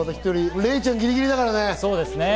レイちゃん、ギリギリだからね。